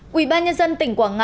quỹ ban nhân dân tỉnh quảng ngãi